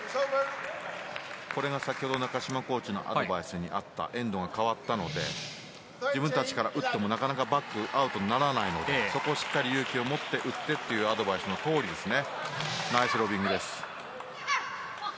これが先ほど中島コーチのアドバイスにあったエンドが変わったので自分たちから打ってもなかなかバックアウトにならないのでそこをしっかり勇気を持って打ってというアドバイスのとおりですね。